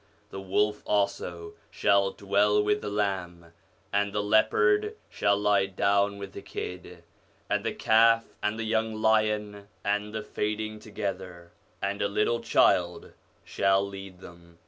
The wolf also shall dwell with the lamb, and the leopard shall lie down with the kid ; and the calf and the young lion and the fading together; and a little child shall lead them.